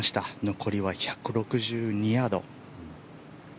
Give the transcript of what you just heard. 残りは１６２ヤード。